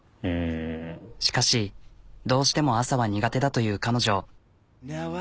しかしどうしても朝は苦手だという彼女。